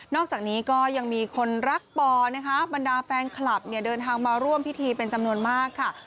อกจากนี้ก็ยังมีคนรักปอนะคะบรรดาแฟนคลับเนี่ยเดินทางมาร่วมพิธีเป็นจำนวนมากค่ะ